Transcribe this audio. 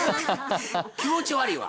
気持ち悪いわ！